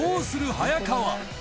早川